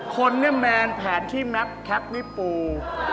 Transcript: คนเนี่ยแมนแผนที่แมทแคปนี่ปู